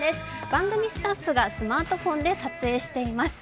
番組スタッフがスマートフォンで撮影しています。